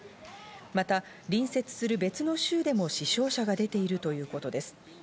また、隣接する別の州でも死傷者が出ているということです。